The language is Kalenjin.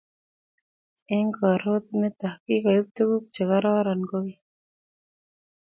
eng korot nitok kigoib tuguk chegororon kogeny